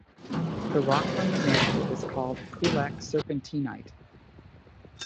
The rock from the mantle is called Coolac Serpentinite.